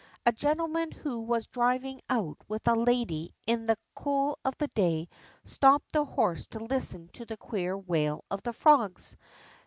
A gentleman who was driving out with a lady in the cool of the day stopped the horse to listen to the queer wail of the frogs.